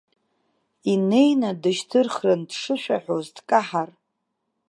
Инеины дышьҭырхрын дшышәаҳәоз дкаҳар.